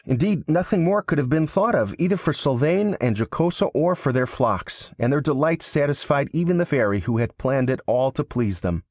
Indeed, nothing more could have been thought of, either for Sylvain and Jocosa or for their flocks; and their delight satisfied even the Fairy who had planned it all to please them.